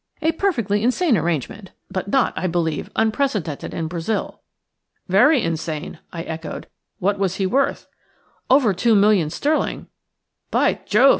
A perfectly insane arrangement, but not, I believe, unprecedented in Brazil." "Very insane," I echoed. "What was he worth?" "Over two million sterling." "By Jove!"